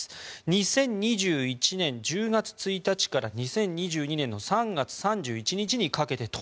２０２１年１０月１日から２０２２年の３月３１日にかけてと。